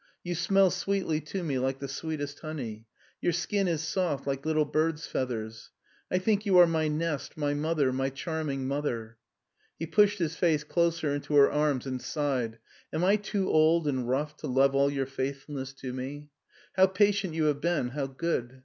You smell sweetly to me like the sweetest honey. Your skin is soft like little birds' feathers. I think you are my nest, my mother, my charming mother." He pushed his face closer into her arms and sighed. " Am I too old and rough to love all your faithfulness to me? How patient you have been, how good.